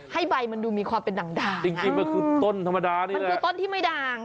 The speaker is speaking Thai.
ให้ใบมันดูมีความเป็นด่างจริงมันคือต้นธรรมดานี่มันคือต้นที่ไม่ด่าง